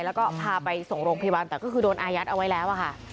แล้วก็พาไปส่งโรงพยาบาลแต่ก็คือโดนอายัดเอาไว้แล้วอะค่ะ